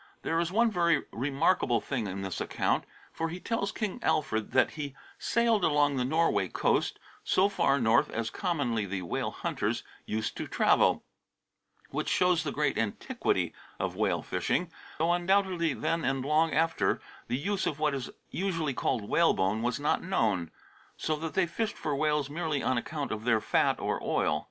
There is one very remarkable tiling o * in this account ; for he tells King Alfred ' that he sailed along the Norway coast, so far north as commonly the whale hunters used to travel,' which shows the great antiquity of whale fishing, though undoubtedly then and long after the use of what is usually called whalebone was not known ; so that they fished for whales merely on account of their fat or oil."